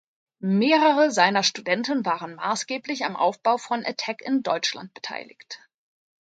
Mehrere seiner Studenten waren maßgeblich am Aufbau von Attac in Deutschland beteiligt.